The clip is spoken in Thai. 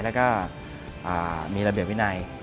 แล้วก็มีระเบียบวินัย